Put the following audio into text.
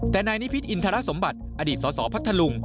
แต่นายนิพิษอินทรสมบัติอดีตสสพัทธลุง